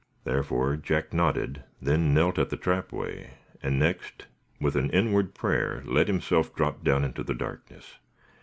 Therefore Jack nodded, then knelt at the trapway, and next, with an inward prayer, let himself drop down into the darkness.